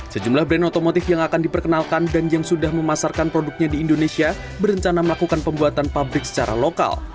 sejumlah brand otomotif yang akan diperkenalkan dan yang sudah memasarkan produknya di indonesia berencana melakukan pembuatan pabrik secara lokal